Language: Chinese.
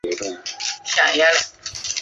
卡坦扎罗。